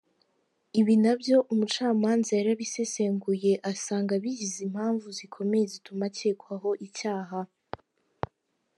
Ibi na byo umucamanza yarabisesenguye asanga bigize impamvu zikomeye zituma akekwaho icyaha.